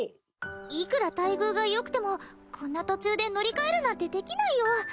いくら待遇がよくてもこんな途中で乗り換えるなんてできないよ